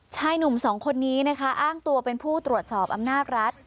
ชายหนุ่มสองคนนี้นะคะอ้างตัวเป็นผู้ตรวจสอบอำนาจรัฐ